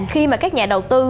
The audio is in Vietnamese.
khi mà các nhà đầu tư